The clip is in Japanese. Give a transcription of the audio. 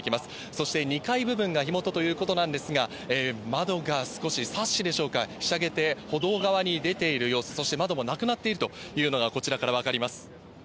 そして２階部分が火元ということなんですが、窓が少しサッシでしょうか、ひしゃげて、歩道側に出ている様子、そして窓もなくなっているというのがこちらから分かります。